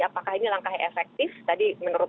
apakah ini langkah yang efektif tadi menurut